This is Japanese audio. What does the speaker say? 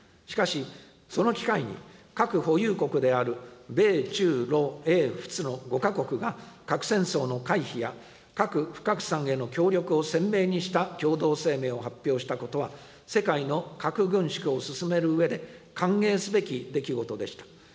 しかし、その機会に核保有国である米中ロ英仏の５か国が、核戦争の回避や核不拡散への協力を鮮明にした共同声明を発表したことは、世界の核軍縮を進めるうえで、歓迎すべき出来事でした。